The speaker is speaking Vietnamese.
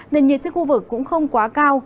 nền nhiệt trên khu vực cũng không quá cao